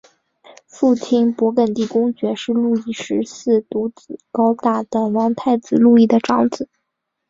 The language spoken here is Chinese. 父亲勃艮地公爵是路易十四独子高大的王太子路易的长子。